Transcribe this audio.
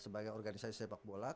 sebagai organisasi sepak bola